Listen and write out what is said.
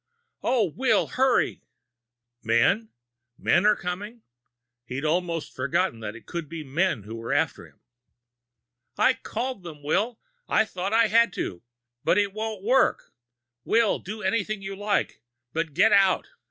Oh, Will, hurry!" "Men? Men are coming?" He'd almost forgotten that it could be men who were after him. "I called them, Will. I thought I had to. But it won't work. Will, do anything you like, but get out!